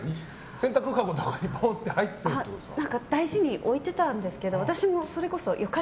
洗濯かごとかにぽんって入ってるってことですか。